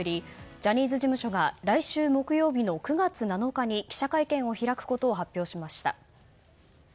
ジャニーズ事務所が来週木曜日の９月７日に記者会見を開くことを発表しました。